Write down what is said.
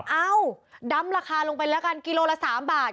เอ้าดำราคาลงไปแล้วกันกิโลละ๓บาท